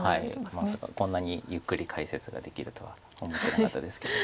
まさかこんなにゆっくり解説ができるとは思ってなかったですけど。